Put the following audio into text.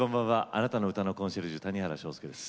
あなたの歌のコンシェルジュ谷原章介です。